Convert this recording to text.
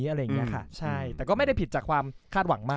อะไรอย่างนี้ค่ะใช่แต่ก็ไม่ได้ผิดจากความคาดหวังมาก